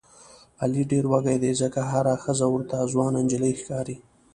علي ډېر وږی دی ځکه هره ښځه ورته ځوانه نجیلۍ ښکاري.